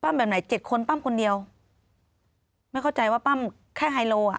แบบไหนเจ็ดคนปั้มคนเดียวไม่เข้าใจว่าปั้มแค่ไฮโลอ่ะ